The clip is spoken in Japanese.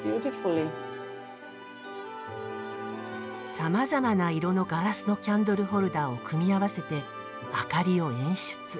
さまざまな色のガラスのキャンドルホルダーを組み合わせて明かりを演出。